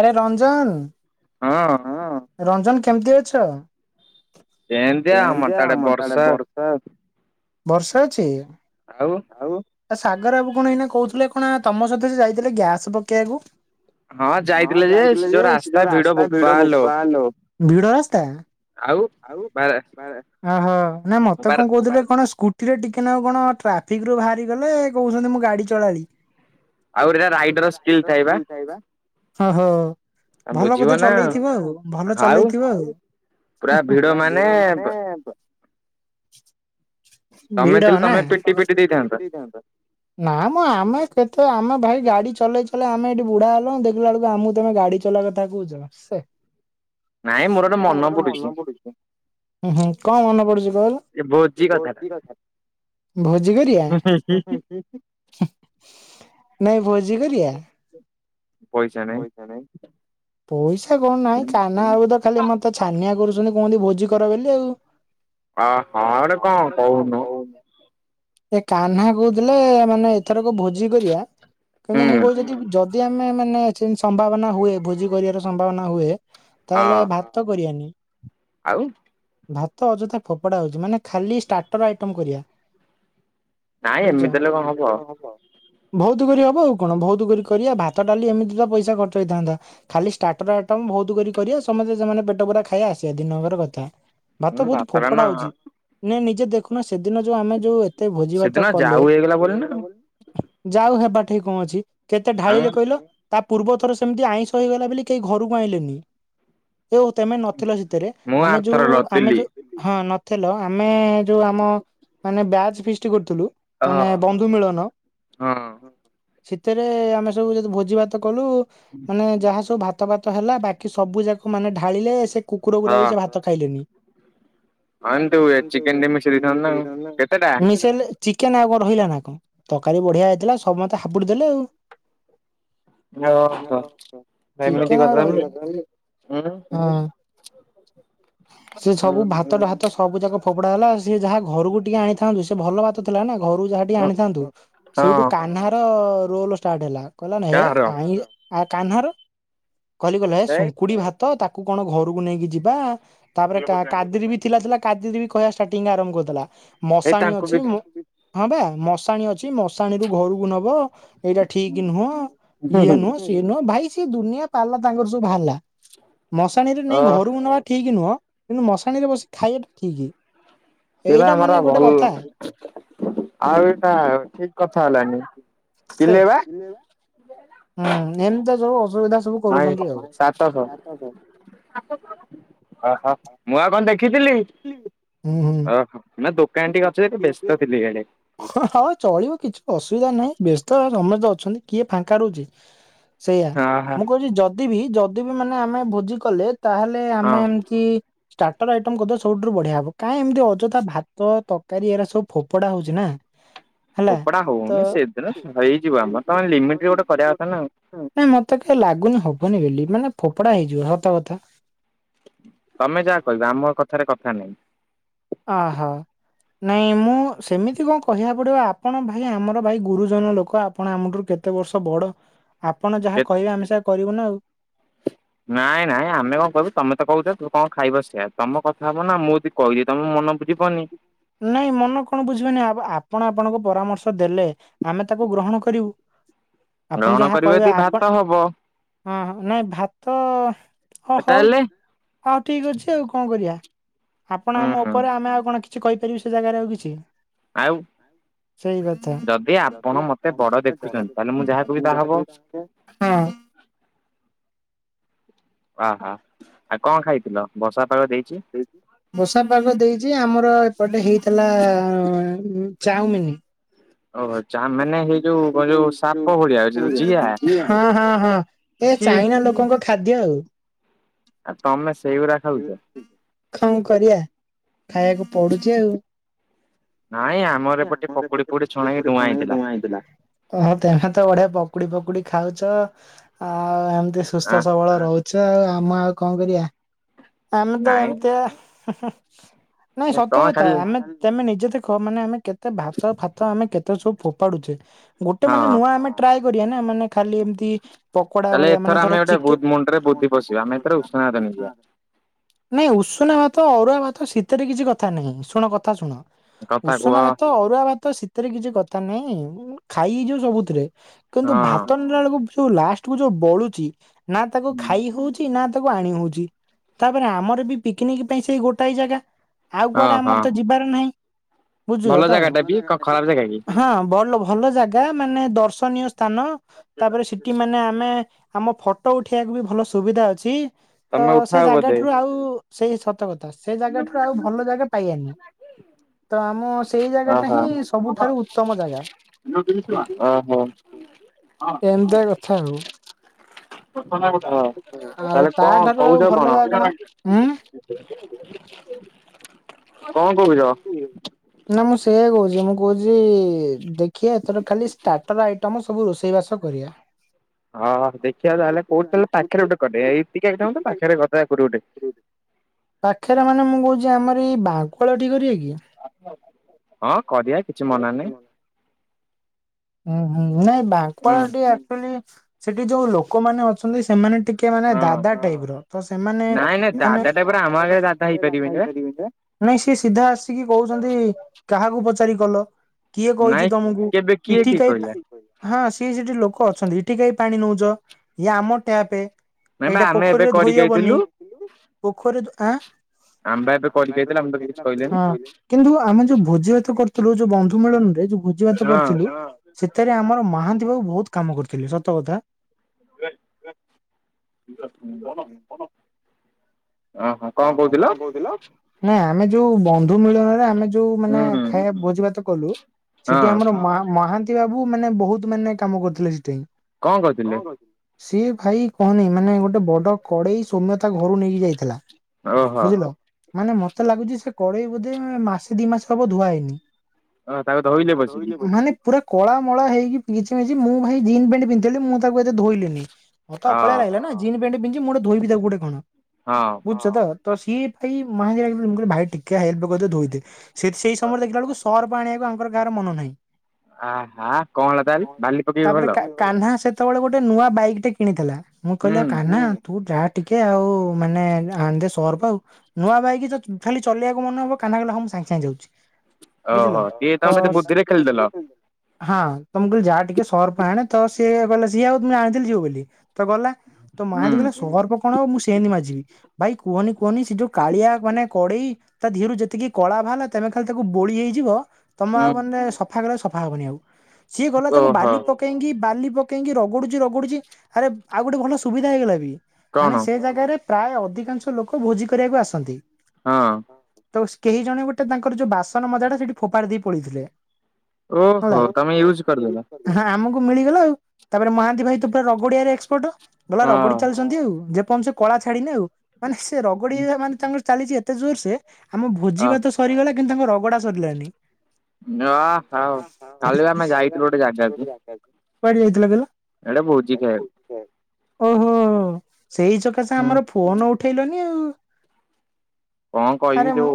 ଆରେ ରଞ୍ଜନ। ହଁ। ହଁ ରଞ୍ଜନ କେମିତି ଅଛ? ସେମତିଆ ଆମ ଆଡେ ବର୍ଷା ବର୍ଷା ଅଛି। ଆଉ। ଆଉ ସାଗର ବାବୁ କଣ ଏଇନା କହୁଥିଲେ କଣ ତମ ସହିତ ସେ ଯାଇଥିଲେ ଗ୍ୟାସ ପକେଇବାକୁ। ହଁ ଯାଇଥିଲେ ଯେ ସେ ଯୋଉ ରାସ୍ତା ଭିଡ ବୋପା ଲୋ ଭିଡ ରାସ୍ତା। ଆଉ ଅହୋ ନା ମତେ କଣ କହୁଥିଲେ କଣ ସ୍କୁ ଏଥିରେ ଟିକେ ନାକୁ କଣ ଟ୍ରାଫିକ ରୁ ବାହାରିଗଲେ କହୁଛନ୍ତି ମୁଁ ଗାଡ଼ି ଚଳାଳି। ଆଉ ଏଇଟା ରାଇଡର ସ୍କିଲ୍ ଥାଇ ବା। ହଁ ହୋ। ଆ ବୁଝିବନି ଚଲେଇଥିବ ଆଉ ଭଲ ଚଲେଇଥିବ ଆଉ ହା ହା ପୁରା ଭିଡ଼ ମାନେ ଭିଡ ନା ତମେ ପିଟି ଫିଟି ଦେଇଥାନ୍ତ। ନା ମୁଁ ଆମେ କେତେ ଆମେ ଭାଇ ଗାଡି ଚଲେଇ ଚଲେଇ ଆମେ ଏଠି ବୁଢା ହେଲୁ ଦେଖିଲା ବେଳକୁ ଆମକୁ ତମେ ଗାଡି ଖୋଲା କଥା କହୁଚ ସେ ନାଇଁ ମୋର ଗୋଟେ ମନ ପଡୁଛି। ହୁଁ ହୁଁ କଣ ମନେ ପଡୁଛି କହିଲ, ଏଇ ଭୋଜି କଥା। ଭୋଜି କରିବାଆ ହୁଁ ହୁ ହୁ। ନାଇଁ ଭୋଜି କରିବା ପଇସା ନାଇଁ। ପଇସା କଣ ନାହିଁ କାହ୍ନା ଆବୁ ତ ଖାଲି ମତେ ଛାନିଆ କରୁଛନ୍ତି କୁହନ୍ତି ଭୋଜି କର ବୋଲି ଆଉ ଅ ହଁ ଆଡ଼େ କଣ କହୁନୁ। ଏ କାହ୍ନା କହୁଥିଲେ ମାନେ ଏଥରକ ଭୋଜି କରିବା। କିନ୍ତୁ ମୁଁ କହୁଛି ଯଦି ଆମେ ମାନେତି ସମ୍ଭାବନା ହୁଏ ଭୋଜି କରିବାର ସମ୍ଭାବନା ହୁଏ ତାହେଲେ ଭାତ କରିଵାନି। ଆଉ ଭାତ ଅଯଥା ଫୋପୋଡା ହଉଛି ମାନେ ଖାଲି ଷ୍ଟାର୍ଟର ଆଇଟମ କରିବା। ନାଇଁ ଏମିତି ହେଲେ କଣ ହବ। ଭଉତ କରି ହବ ଆଉ କଣ ଭଉତୁ କରି କରିବା ଭାତ ଡାଲି ଏମିତି ଟ ପଇସା ଖର୍ଚ୍ଚ ହେଇଥାନ୍ତା ଖାଲି ଟର ଆଟମ ବହୁତ କରି କରିବା ସମସ୍ତେ ସେମାନେ ପେଟ ପୂରା ଖାଇବା ଆସିବା ଦିନ କର କଥା। ଭାତ ବହୁତ ଫୋପଡା ହଉଛି ନ ନିଜେ ଦେଖୁନ ସେଦିନ ଯୋଉ ଆମେ ଯୋଉ ତେ ଭୋଜି ଭାତ କଲେ ଯାଉ ହେଇ ଗଲା ବୋଲି ନା ଆଉ ଯାଉ ହେବାଠେଇ କଣ ଅଛି କେତେ ଢାଳିରେ କହିଲ ତା ପୂର୍ବ ଥର ସେମିତି ଆଇଁଷ ହେଇଗଲା ବୋଲି କେହି ଘରକୁ ଆଣିଲେନି ଏ ହଉ ତମେ ନଥିଲ ଶୀତେରେ ଆମେ ଯୋଉ ଆମେ ଯୋଉ ହଁ ନଥେଲ ଆମେ ଯୋଉ ଆମ ମାନେ ବ୍ୟାଚ ଫିଷ୍ଟ କରୁଥିଲୁ ମାନେ ବନ୍ଧୁ ମିଳନ ଶୀତରେ ଆମେ ସବୁ ଯଦି ଭୋଜି ଭାତ କଲୁ। ମାନେ ଯାହା ସବୁ ଭାତ ଭାତ ହେଲା ବାକି ସବୁ ଯାକ ମାନେ ଢାଳିଲେ ସେ କୁକୁର ଗୁଡା ବି ସେ ଭାତ ଖାଇଲେନି ଚିକେନ ଟିକେ ମିଶେଇ ଦେଇଥାନ୍ତା ନା ଆଉ ମିଶେଇଲେ ଚିକେନ ଆଉ କଣ ରହିଲା ନା କଣ ତରକାରୀ ବଢିଆ ହେଇଥିଲା ସବମତେ ହାପୁଡ଼ି ଦେଲେ ଆଉ ଓହୋ। ଚିକେନ ଆଉ ରହିଲାନି ହଁ। ସେ ସବୁ ଭାତଟା ଭାତ ସବୁ ଯାକ ଫୋପଡା ହେଲା। ସେ ଯାହା ଘରକୁ ଟିକେ ଆଣିଥାନ୍ତୁ ସେ ଭଲ ଭାତ ଥିଲା ନା ଘରୁ ଯାହା ଟିକି ଆଣିଥାନ୍ତୁ ସେଉଠୁ କାହ୍ନାର ରୋଲ ଷ୍ଟାର୍ଟ ହେଲା। କହିଲ ନା ନେ ଆଇଁ କାହ୍ନ ର। କହିଲି କଲେ ଏ ଶଙ୍କୁଡି ଭାତ ତାକୁ କଣ ଘରକୁ ନେଇକି ଯିବା। ତାପରେ କାଦିରି ବି ଥିଲା ଥିଲା କାଦିରି ବି କହିବା ଷ୍ଟାଟିଙ୍ଗ ଆରମ୍ଭ କରିଦେଲା ମଶାଣି ଅଛି ମୁଁ ହଁ ଵା ମଶାଣି ଅଛି। ମୁଁ ଶାଣିରୁ ଘରକୁ ନବ ଏଇଟା ଠିକ ନୁହଁ ଇଏ ନୁହଁ ସିଏ ନୁହଁ। ଭାଇ କି ଦୁନିଆ ପାଲା ତାଙ୍କର ସବୁ ବାହାରିଲା। ମଶାଣିରେ ନେଇ ଘରକୁ ନବା ଠିକ ନୁହଁ। କିନ୍ତୁ ମଶାଣିରେ ବସି ଖାଇବାଟା ଠିକ୍। ସେଇବେ ଆମର ଭଲ ଆଉ ଏଟା ଠିକ କଥା ହେଲଣିି। ସେ ହୁଁ ଏମ୍ ତ ଯୋଉ ଅସୁବିଧା। ସବୁ କରୁଛନ୍ତି ଆଉ। ଓହୋ ମୁଁ ଆଉ କଣ ଦେଖିଥିଲି ଓହୋ ନା ଦୋକ କ ଟିକ ଅଛିିକେ ବ୍ୟସ୍ତଥିଲି ଏଆଡେ। ହଁ ଚଳିବ କିଛି ଅସୁବିଧା ନାହିଁ। ବ୍ୟସ୍ତ ସମସ୍ତେ ଅଛନ୍ତି କିଏ ଫାଙ୍କା ରହୁଛି। ସେଇଆ ମୁଁ କହୁଛି ଯଦି ବି ଯଦି ବି ମାନେ ଆମେ ଭୋଜି କଲେ? ତାହେଲେ ଆମେ ଏମିତି ଷ୍ଟାର୍ଟର ଆଇଟମ୍ କରିଦବ ସବୁଠୁ ବଢିଆ ହବ। କାଇଁ ଏମିତି ଅଯଥା ଭା ତ ତରକାରୀ ଏରା ସବୁ ଫୋପଡା ହୋଉଛି ନା। ଫୋପଡ଼ା ହୋଉନି ସେଦିନ ହେଇଯିବ ଆମର ତମେ ଲିମିଟ ରେ ଗୋଟେ କରିବା କଥା ନା ଆଉ। ନାଇଁ ମତେ କେ ଲାଗୁନି ହବନି ବୋଲି ମାନେ ଫୋପଡା ହେଇଯିବ ସତ କଥା। ତମେ ଯାହା କହିବା ଆମ କଥାରେ କଥା ନାହିଁ। ଅହ। ନାଇଁ ମୁଁ ସେମିତି କଣ କହିବାକୁ ପଡିବ ଆପଣ ଭାଇ ଆମର ଭାଇ ଗୁରୁଜନ ଲୋକ ଆପଣ ଆମଠାରୁ କେତେ କେତେ ବର୍ଷ ବଡ ଆପଣ ଯାହା କହିବେ ଆମେ ସେ କରିବୁ ନା ଆଉ। ନାଇଁ ନାଇଁ ଆମେ କଣ କହିବୁ ତମେ ତ କହୁଛ ତୁ କଣ ଖାଇବ ସେଇଆ ତମ କଥା ହବ ନା ମୁଁ ଟେ କହିଲି ତମେ ମନ ବୁଝି ପନି। ନାଇଁ ମନ କଣ ବୁଝିବେ ନାହିଁ ଆପଣ ଆପଣଙ୍କୁ ପରାମର୍ଶ ଦେଲେ ଆମେ ତାକୁ ଗ୍ରହଣ କରିବୁ। ଆପଣ ଯାହା କହିବେ ଆପଣ ହଁ ନାଇଁ ଭାତ ହଁ ହଉ ଆଉ ଠିକ୍ ଅଛି ଆଉ କଣ କରିବା। ଆପଣ ଆମ ଉପରେ ଆମେ ଆଉ କଣ କିଛି କହିପାରିବୁ ସେ ଜାଗାରେ ଆଉ କିଛି। ଆଉ ସେଇ କଥା ଯଦି ଆପଣ ମତେ [unintelligible] ଯାହା ହଁ। ଓହ ଆଉ କଣ ଖାଇଥିଲ ବର୍ଷା ପାଗ ଦେଇଛି? ବଷା ପାଗ ଦେଇଛି ଆମର ଏପଟେ ହେଇଥିଲା ଚାଉମିନି। ହଁ ହଁ ହଁ। ଏ ଚାଇନା ଲୋକଙ୍କ ଖାଦ୍ୟ ଆଉ। ଆଉ ତମେ ସେଇଗୁଡ଼ା ଖାଉଛ? ଖଁ କରିବା ଖାଇବାକୁ ପଡୁଛି ଆଉ। ନାଇ ଆମର ଏପଟେ ପକୁଡି ପୁଡି ଛୁଣେଇକି ଧୂୁଆଁ ହେଇଥିଲା। ଓ ତମେ ତ ବଢିଆ ପକୁଡି ପକୁଡି ଖାଉଛ ଆଉ ଏମିତି ସୁସ୍ଥ ସବଳ ରହୁଛ। ଆଛା ଆଉ ଆମ ଆଉ କଣ କରିବା। ଆମେ ତ ଏମିତିଆ ନାଇଁ ସତ କଥା ଆମେ ତମେ ନିଜେ ଦେଖ ମାନେ ଆମେ କେତେ ଭାତ ଫାତ ଆମେ କେତେ ସବୁ ଫୋପାଡୁଛେ ଗୋଟେ ମାନେ ନୂଆ ଆମେ ଟ୍ରାଏ କରିବା। ନା ମାନେ ଖାଲି ଏମିତି ପକୋଡା ଭଳିଆ ମାନେ ଧର ଚିକେନ। ନାଇଁ ଉଷୁନା ଭାତ ଅରୁଆ ଭାତ ଶୀତରେ କିଛି କଥା ନାହିଁ ଶୁଣ କଥା ଶୁଣ। ଉଷୁନା ଭାତ ଅରୁଆ ଭାତ ଶୀତରେ କିଛି କଥା ନହିଁ। ଖାଇହେଇଯିବ ସବୁଥିରେ। କିନ୍ତୁ ଭାତ ନେଲା ବେଳକୁ ଯୋଉ ଲାଷ୍ଟ କୁ ଯୋଉ ବଳୁଛି ନା ତାକୁ ଖାଇ ହଉଛି। କି ନା ତାକୁ ଆଣି ହଉଛି। ତାପରେ ଆମର ବି ପିକନିକ ପାଇଁ ସେଇ ଗୋଟାଏ ଜାଗା। ଆଉ କୁଆଡେ ଆମର ତ ଯିବାର ନାହିଁ। ବୁଝିଲ ତ? ହଁ ଭଲ ଭଲ ଜାଗା ମାନେ ଦର୍ଶନୀୟ ସ୍ଥାନ ତାପରେ ସେଠି ମାନେ ଆମେ ଆମ ଫଟୋ ଉଠେଇବାକୁ ବି ଭଲ ସୁବିଧା ଅଛି ତ ସେ ଜାଗା ଠାରୁ ଆଉ ସେଇ ସତ କଥା। ତ ସେ ଜାଗା ଠାରୁ ଆଉ ଭଲ ଜାଗା ପାଇଆନି। ତ ଆମ ସେଇ ଜାଗା ଟା ହିଁ ସବୁଠାରୁ ଉତ୍ତମ ଜାଗା। ଓହୋ ଏମିତା କଥା ଆଉ। ହ ତାହେଲେ କଣ କହୁଛ କଣ? କଣ କହୁଛ? ନା ମୁଁ ସେଇ କହୁଛି ମୁଁ କହୁଛି ଦେଖିବା ଏଥର ଖାଲି ଷ୍ଟାର୍ଟର ଆଇଟମ ସବୁ ରୋଷେଇବାସ କରିବା। ହଁ ହଁ ଦେଖିବା ତାହେଲେ କୋଉଟି ତାହେଲେ ପାଖରେ ଗୋଟେ କରିବା ଏଇଟିକି ପାଖରେ କରଦବା କୋଉଟି ଗୋଟେ। ପାଖରେ ମାନେ ମୁଁ କହୁଛି ଆମର ଏଇ ବାଙ୍କଳ ଠି କରିବା କି? ହଁ କରିବା କିଛି ମନା ନାହିଁ। ହୁଁ ହୁଁ ନାଇଁ ବାଙ୍କଳ ଟି ଆଟୁଳି ସେଠି ଯୋଉ ଲୋକମାନେ ଅଛନ୍ତି ସେମାନେ ଟି କି ମାନେ ଦାଦା ଟାଇପ ର ତ ସେମାନେ ମାନେ ଦାଦା ନାଇଁ ସିଏ ସିଧା ଆସିକି କହୁଛନ୍ତି କାହାକୁ ପଚାରି କଲ କିଏ କହିଚି ତମକୁ। ଇଠି କାଇ ପା ହଁ ସିଏ ସେଠି ଲୋକ ଅଛନ୍ତି ଇଠି କଇ ପାଣି ନଉଛ ଇଏ ଆମ ଟ୍ୟାପେ ଏଇଟା ପୋଖରୀରେ ଧୋଇ ହବନି ପୋଖରୀରେ ଆଁ ଆମେ ପା [unintelligible] ହଁ କିନ୍ତୁ ଆମେ ଯୋଉ ଭୋଜିଭାତ କରିୁଥିଲୁ ଯୋଉ ବନ୍ଧୁ ମିଳନ ରେ ଯୋ ଜୟତ କରଥିଲୁ ସେଥିରେ ଆମର ମହାନ୍ତି ବାବୁ ବହୁତ କାମ କରଥିଲି ସତ କଥା। ଏ [unintelligible] ହଁ ହଁ କଣ କହୁଥିଲ? ନା ଆମେ ଯୋଉ ବନ୍ଧୁ ମିଳନରେ ଆମେ ଯୋଉ ମାନେ ଖାଇବା ଭୋଜିଭାତ କଲୁ ସେଠି ଆମର ମା ମହାନ୍ତି ବାବୁ ମାନେ ବହୁତ ମାନେ କାମ କରୁଥିଲେ ସେଠି। ସିଏ ଭାଇ କହନି ମାନେ ଗୋଟେ ବଡ କଡ଼େଇ ସୌମ୍ୟ ତା ଘରୁ ନେଇକି ଯାଇଥିଲା। ବୁଝିଲ ମାନେ ମତେ ଲାଗୁଛି ସେ କଡେଇ ବୋଧେ ମାସେ ଦି ମାସ ହବ ଧୁଆ ହେଇନି। ହଁ ତାଙ୍କ ତ ମାନେ। ପୁରା କଳା ମଳା ହେଇକି ପିଞ୍ଚି ମିଚି ମୁଁ ଭାଇ ଜିନ୍ ପ୍ୟାଣ୍ଟ ପିନ୍ଧଥିଲି ମୁଁ ତାକୁ ଏତେ ଧୋଇଲିନି। ମତେ ଅକଳା ଲାଗିଲ ନା ଜିନ ପ୍ୟାଟ ପିଧି ମୁ ଧୋଇ ବିି ଗୋଟେ କଣ? ହଁ। ଛ ତ ତ ସିଏ [unintelligible] ଭାଇ ଟିକେ ହେଲ୍ପ କରିଦ ଧୋଇ ଦିଏ ସେ ସେଇ ସମୟରେ ଦେଖିଲା ବେଳକୁ ସର୍ଫ ଆଣିବାକୁ ଆଙ୍କର କାହାର ମନ ନାହିଁ। ଆ ହା କଣ ହେଲା ତାଲେ ବାଲି ପକେଇ କଲ? କାହ୍ନା ସେତେବେଳେ ଗୋଟେ ନୂଆ ବାଇକ ଟେ କିଣିଥିଲା ମୁଁ କଲି ଆ କାହ୍ନା ତୁ ଯା ଟିକେ ଆଉ ମାନେ ଆ ଦେ ସର୍ଫ ଆଉ ନୂଆ ବାଇକ ତ ଖାଲି ଚଲେଇବାକୁ ମନ ହବ କାହ୍ନା କହିଲା ହ ମୁଁ ସାଙ୍ଗେ ସାଙ୍ଗେ ଯାଉଚି ବୁଝିଲ ତ ହଁ ତ ମୁଁ ଯା ଟିକେ ସର୍ଫ ଆଣେ ତ ସିଏ କଇଲା ସିଏ ଆଉ ଯାଣଥିଲି ଯିବ ବୋଲି। ତ ଗଲା ତ ମହାନ୍ତି କହିଲା ସର୍ଫ କଣ ହବ ମୁଁ ସେମିତି ମାଜିବି। ଭାଇ କୁହନି କୁହନି ସେ ଯୋଉ କାଳିଆ ମାନେ କଡେଇ ତା ଧିଅରୁ ଯେତିକି କଳା ବାହାରିଲା ତମେ ଖାଲି ତାକୁ ବୋଳି ହେଇଯିବ ତମ ଆଉ ମାନେ ସଫା କରେ ସଫା ହବନି ଆଉ ସିଏ ଗଲା ତାକୁ ବାଲି ପ କେଇକି ବାଲି ପକେଇକି ରଗଡୁଛି ରଗଡୁଛି ଆରେ ଆଉ ଗୋଟେ ଭଲ ସୁବିଧା ହେଇଗଲା ବି ମାନେ ସେ ଜାଗାରେ ପ୍ରାୟ ଅଧିକାଂଶ ଲୋକ ଭୋଜି କରିବାକୁ ଆସନ୍ତି। ହଁ। ତ କେହି ଜଣେ ଗୋଟେ ତାଙ୍କର ଯୋଉ ବାସନ ମଜାଟା ସେଠି ଫୋପାଡ଼ି ଦେଇ ପଳେଇଥିଲେ। ଓହୋ ତମେ ୟୁଜ୍ କରିଦେଲ? ହଁ, ଆମକୁ ମିଳିଗଲା ଆଉ। ତା'ପରେ ମହାନ୍ତି ଭାଇ ତ ପୁରା ରଗଡ଼ିଆରେ ଏକ୍ସପର୍ଟ। ଗଲା ରଗଡି ଚାଲିଛନ୍ତି ଆଉ, ଜେପନ୍ ସେ କଳା ଛାଡିିନି ଆଉ। ମାନେ ସେ ରଗଡି ଆ ମାନେ ତାଙ୍କର ଚାଲିଛି ଏତେ ଜୋର୍ ସେ, ଆମ ଭୋଜି ଭାତ ସ ସରିଗଲା, କିନ୍ତୁ ତାଙ୍କ ରଗଡ଼ା ସରିଲାନି। ଅ ହଉ, କାଲି ବା ଆମେ ଯାଇଥିଲୁ ଗୋଟେ ଜାଗାକୁ। କୁଆଡ଼େ ଯାଇଥିଲ କଇଲ୍? ଓହୋ! ସେଇ ଚ ଏ ସେ ଆମର ଫୋନ୍ ଉଠେଇଲନି ଆଉ। ଆରେ ମୁଁ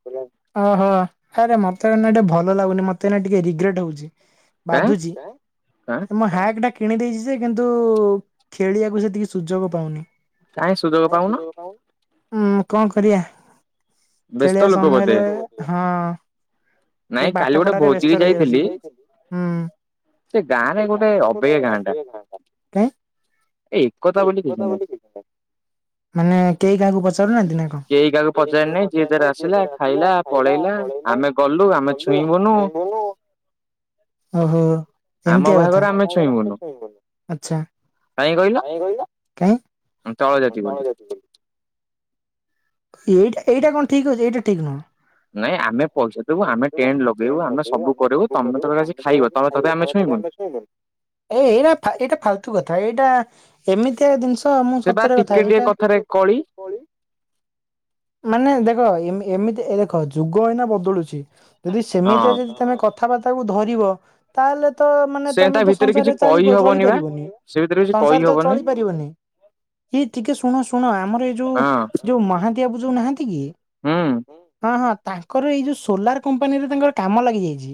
ଓହୋ! ଆରେ ମତେ ଏନା ଟିଏ ଭଲ ଲାଗୁନି। ମତେ ଟିକେ ରିଗ୍ରେଟ୍ ହଉଛି। ବାଧୁଛି! ମୁଁ ହ୍ୟାକ୍ ଟା କିଣି ଦେଇଛି ଯେ କିନ୍ତୁ ଖେଳିବାକୁ ସେ ଏତିକି ସୁଯୋଗ ପାଉନିଁ। ଉଁ କଣ କରିଆ? ଖେଳିିବା ସମୟରେ, ହଁ। ଟିଏ ପାଠ ପଢାରେ ବ୍ୟସ୍ତ ରହିଯାଉଛି। ହୁଁ। ସେ ଗାଁଟା ଗୋଟେ ଅବୟା ଗାଁ ଟା। ମାନେ କେହି କାହାକୁ ପଚାରୁନାହାଁନ୍ତି ନା କଣ? ହଜାର ନାଇଁ ଦିଜାର ଆସିଲା। ଖାଇଲା, ପଳେଇଲା। ଆମେ ଗଲୁ, ଆମେ ଛୁଇଁବୁନୁ। ଓହୋ! ଏମିତିଆ କଥା। ଅଚ୍ଛା। କାଇଁ କହିଲ? ଢେଙ୍କାନାଳ ଯାଇଥିଲି। ଏଇଟା ଏଇଟା କଣ ଠିକ୍ ଅଛି। ଏଇଟା ଠିକ୍ ନୁହଁ। ନାଇଁ ଆମେ ପଇସା ଦେବୁ, ଆମେ ଟେଣ୍ଟ ଲଗେଇବୁ, ଆମେ ସବୁ କରିବୁ, ତମେ ତମରେ ଆସି ଖାଇବ। ତମେ ତଥାପି ଆମେ ଛୁଇଁବନୁ। ଏ ଏଇରା ଏଇଟା ଫାଲ୍ ତୁ କଥା। ଏଇଟା ଏମିତିଆ ଦିନିଷ ତ ମୁଁ ସତରେ କଥା ଏଇଟା ମାନେ ଦେଖ, ଏମ-ଏମିତି ଏ ଦେଖ ଯୁଗ ଏଇନା ବଦଳୁଛି, ଯଦି ସେମିତିଆ ଯଦି ତମେ କଥ ଥା ବାର୍ତ୍ତାକୁ ଧରିବ! ତାହେଲେ, ତ ମାନେ ତମେ ତ ସଂସାରରେ ଚାଳି ଚଳିପାରିବନି। ସଂସାରେ ତ ଚଳିପାରିବନି। ଇ ଟିକେ ଶୁଣ ଶୁଣ ଆମର ଏଇ ଯୋଉ, ଯୋଉ, ମାହା ବାବୁ ଯଉନାହାଁନ୍ତି କି! ହଁ, ହଁ, ତାଙ୍କର ଏଇ ଯୋଉ ସୋଲାର କମ୍ପାନୀରେ ତାଙ୍କର କାମ ଲାଗି ଯାଇଛି।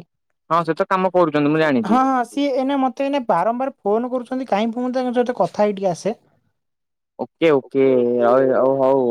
ହଁ ହଁ। ସିଏ ଏଇନେ ମୋତେ ଏଇନେ ବାରମ୍ଵାର ଫୋନ୍ କରୁଛନ୍ତି। କାହିଁ ଫୁନ୍, ତାଙ୍କ ସହିତ କଥା ହେଇ ଟିକେ ଆସେ। ଓକେ, ଓକେ, ଏଇ ଅଉ ହଉ।